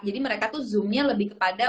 jadi mereka tuh zoomnya lebih kepada